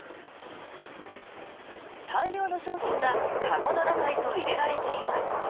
大量の商品が籠の中へと入れられています。